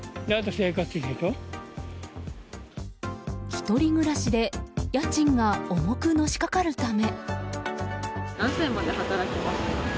１人暮らしで家賃が重くのしかかるため。